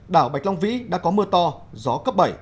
đảo bạch long vĩ đã có mưa to gió cấp bảy